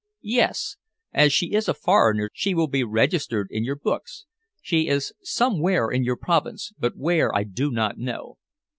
"Yes, as she is a foreigner she will be registered in your books. She is somewhere in your province, but where I do not know.